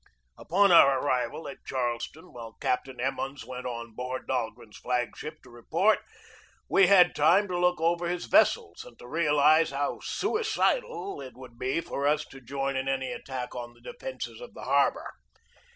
Upon our arrival at Charleston, while Captain Emmons went on board Dahlgren's flag ship to re port, we had time to look over his vessels and to realize how suicidal it would be for us to join in any attack on the defences of the harbor.